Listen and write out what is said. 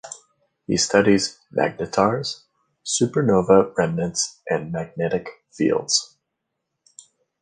He studies magnetars, supernova remnants and magnetic fields.